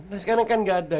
nah sekarang kan nggak ada